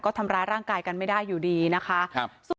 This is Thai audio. ก็ทำร้ายร่างกายกันไม่ได้อยู่ดีนะคะ